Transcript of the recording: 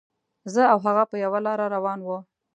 زه او هغه په یوه لاره روان وو.